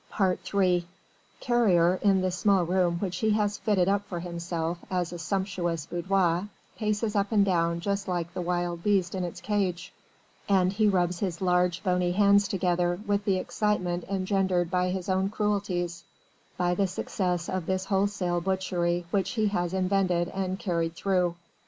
III Carrier in the small room which he has fitted up for himself as a sumptuous boudoir, paces up and down just like a wild beast in its cage: and he rubs his large bony hands together with the excitement engendered by his own cruelties, by the success of this wholesale butchery which he has invented and carried through.